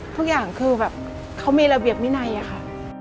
ทุกอย่างเขามีระเบียบมินัยค่ะ